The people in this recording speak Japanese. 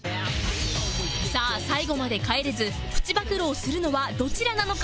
さあ最後まで帰れずプチ暴露をするのはどちらなのか？